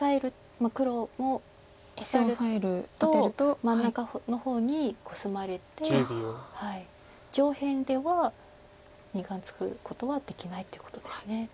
まあ黒もオサえると真ん中の方にコスまれて上辺では２眼作ることはできないってことです。